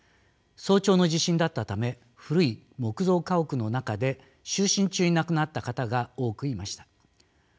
早朝の地震だったため古い木造家屋の中で就寝中に亡くなった方が多くいました。